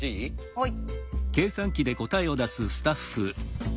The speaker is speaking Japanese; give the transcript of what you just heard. はい。